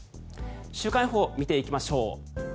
週間予報、見ていきましょう。